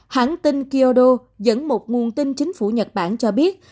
hãng tin kyodo dẫn một nguồn tin chính phủ nhật bản cho biết